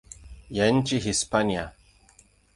ya nchini Hispania.